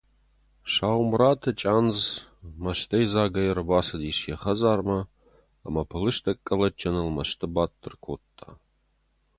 Саумраты Чъандз мӕстӕйдзагӕй ӕрбацыдис йӕ хӕдзармӕ ӕмӕ пылыстӕг къӕлӕтджыныл мӕсты бадт ӕркодта.